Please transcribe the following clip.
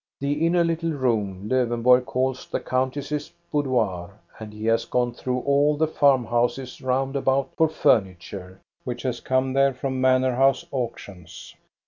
The inner little room Lowenborg calls the countess's boudoir, and he has gone through all the farm houses round about for furniture, which has come there from manor house auctions.